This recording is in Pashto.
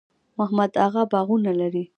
محمد اغه باغونه لري؟